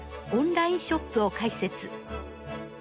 オンラインショップを開設。